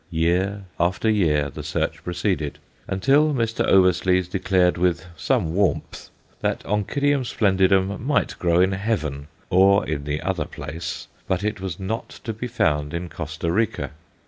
Year after year the search proceeded, until Mr. Oversluys declared with some warmth that Onc. splendidum might grow in heaven or in the other place, but it was not to be found in Costa Rica.